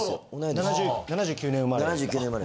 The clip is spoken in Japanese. ７９年生まれ？